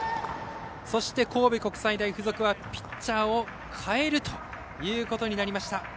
そして神戸国際大付属はピッチャーを代えるということになりました。